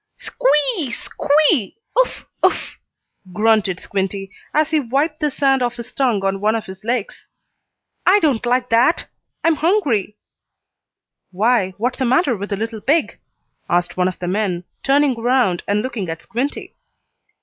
"Squee! Squee! Uff! Uff!" grunted Squinty, as he wiped the sand off his tongue on one of his legs. "I don't like that. I'm hungry." "Why, what's the matter with the little pig?" asked one of the men, turning around and looking at Squinty.